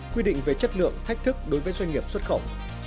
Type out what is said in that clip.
quy định về chất lượng thách thức đối với doanh nghiệp xuất khẩu